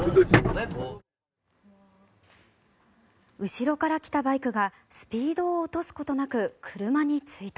後ろから来たバイクがスピードを落とすことなく車に追突。